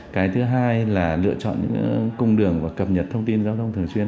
cái thứ hai là lựa chọn những cung đường và cập nhật thông tin giao thông thường xuyên